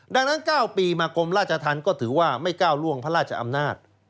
ดังนั้น๙ปีมากรมราชธรรมก็ถือว่าไม่ก้าวล่วงพระราชอำนาจ